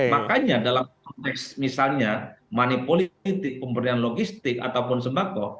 makanya dalam konteks misalnya money politik pemberian logistik ataupun sembako